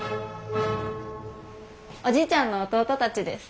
おじいちゃんの弟たちです。